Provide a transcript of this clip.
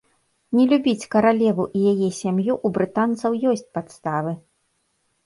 Не любіць каралеву і яе сям'ю ў брытанцаў ёсць падставы.